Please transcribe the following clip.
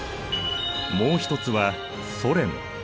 もう一つはソ連。